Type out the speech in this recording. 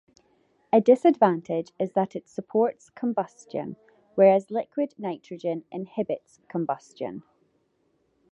A disadvantage is that it supports combustion, whereas liquid nitrogen inhibits combustion.